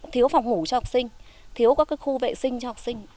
thiếu phòng ngủ cho học sinh thiếu các khu vệ sinh cho học sinh